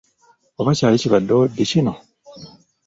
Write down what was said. Oba kyali kibaddewo ddi kino!